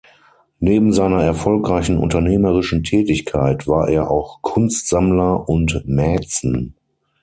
Neben seiner erfolgreichen unternehmerischen Tätigkeit war er auch Kunstsammler und -mäzen.